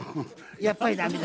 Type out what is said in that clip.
やっぱり駄目だ。